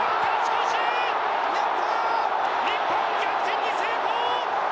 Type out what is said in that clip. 日本、逆転に成功！